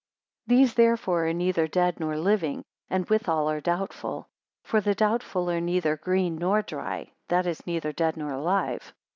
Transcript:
195 These therefore are neither dead nor living, and withal are doubtful. For the doubtful are neither green nor dry; that is neither dead nor alive.